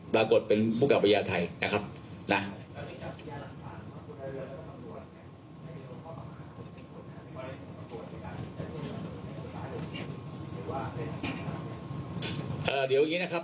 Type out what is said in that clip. ปรากฏเป็นผู้กับประยาทไทยนะครับนะครับเดี๋ยวอย่างงี้นะครับ